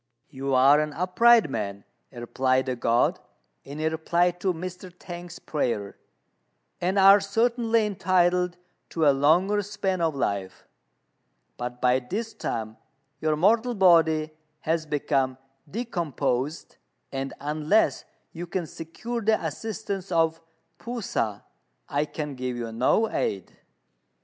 "You are an upright man," replied the God, in reply to Mr. T'ang's prayer, "and are certainly entitled to a longer span of life; but by this time your mortal body has become decomposed, and unless you can secure the assistance of P'u sa, I can give you no aid."